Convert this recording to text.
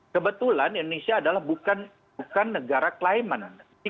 kebetulan indonesia adalah bukan negara climate